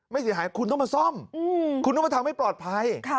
ไม่เสียหายคุณต้องมาซ่อมคุณต้องมาทำให้ปลอดภัย